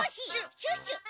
シュッシュの「し」。